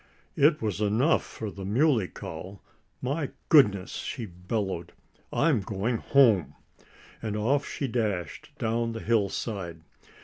It was enough for the Muley Cow. "My goodness!" she bellowed. "I'm going home!" And off she dashed down the hillside.